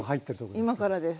今からです。